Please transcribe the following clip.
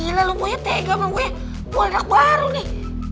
gila lo pokoknya tega pokoknya bolak baru nih